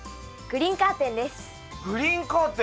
グリーンカーテン！